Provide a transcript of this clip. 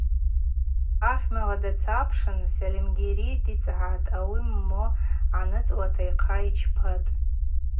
Агъьмала дацапшын Сальымгьаригьи дицӏгӏатӏ – ауи момо гӏаныцӏуата йхъа йчпатӏ.